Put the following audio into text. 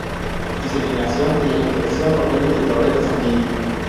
Diseminación de la infección por medio del torrente sanguíneo.